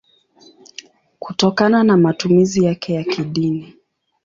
kutokana na matumizi yake ya kidini.